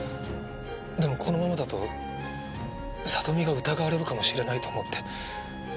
でもこのままだと里美が疑われるかもしれないと思って。